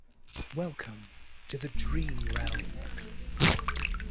Welcome to the dream realm.